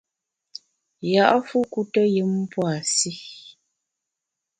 Ya’fu kuteyùm pua’ si.